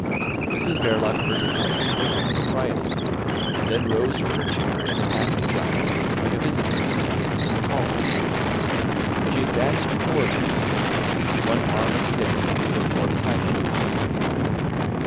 Mrs Verloc heard him out with perfect propriety, and then rose from her chair in her hat and jacket like a visitor at the end of a call. She advanced towards her husband, one arm extended as if for a silent leave taking.